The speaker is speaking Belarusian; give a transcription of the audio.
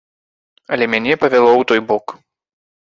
Але мяне павяло ў той бок.